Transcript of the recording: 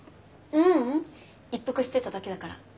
ううん一服してただけだから。